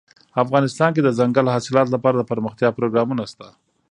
افغانستان کې د دځنګل حاصلات لپاره دپرمختیا پروګرامونه شته.